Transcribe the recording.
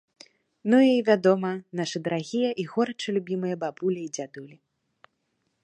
Ну і, вядома, нашы дарагія і горача любімыя бабулі і дзядулі.